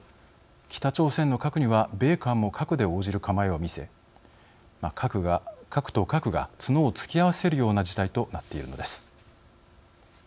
北朝鮮の核には米韓も核で応じる構えを見せ核と核が角を突き合わせるような事態となっているのです。